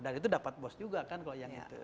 dan itu dapat bos juga kan kalau yang itu